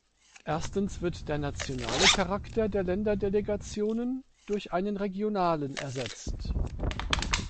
Erstens wird der nationale Charakter der Länderdelegationen durch einen regionalen ersetzt.